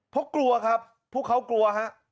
เพราะกลัวครับผู้เขากลัว